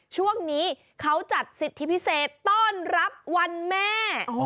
ช่วงนี้เขาจัดสิทธิพิเศษต้อนรับวันแม่